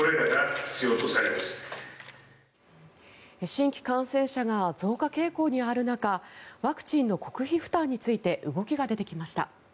新規感染者が増加傾向にある中ワクチンの国費負担について動きが出てきました。